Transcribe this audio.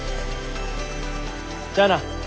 じゃあな。